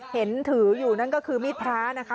เห็นถืออยู่นั่นก็คือมีดพระนะคะ